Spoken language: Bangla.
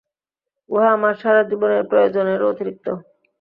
উহা আমার সারা জীবনের প্রয়োজনেরও অতিরিক্ত।